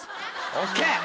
ＯＫ！